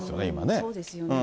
そうですよね。